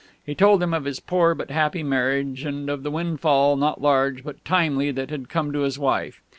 He told him of his poor but happy marriage, and of the windfall, not large, but timely, that had come to his wife.